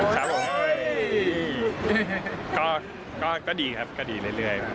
ครับผมดีครับก็ดีเรื่อย